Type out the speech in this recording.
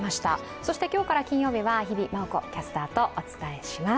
そして今日から金曜日は日比麻音子キャスターとお伝えします。